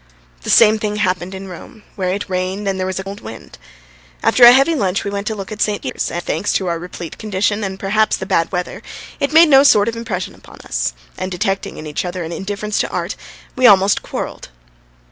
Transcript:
The same thing happened in Rome, where it rained and there was a cold wind. After a heavy lunch we went to look at St. Peter's, and thanks to our replete condition and perhaps the bad weather, it made no sort of impression on us, and detecting in each other an indifference to art, we almost quarrelled.